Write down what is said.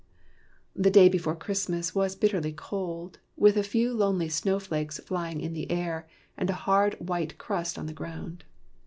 " The day before Christmas was bitterly cold, with a few lonely snowflakes flying in the air, and a hard white crust on the ground.